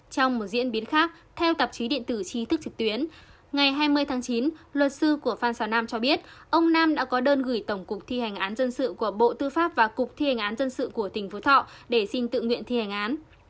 trong một diễn biến khác theo tạp chí điện tử trí thức trực tuyến ngày hai mươi tháng chín luật sư của phan xào nam cho biết ông nam đã có đơn gửi tổng cục thi hành án dân sự của bộ tư pháp và cục thi hành án dân sự của tỉnh phú thọ để xin tự nguyện thi hành án